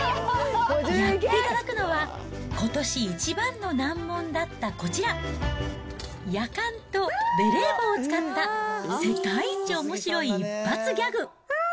やっていただくのは、ことし一番の難問だったこちら、やかんとベレー帽を使った世界一おもしろい一発ギャグ。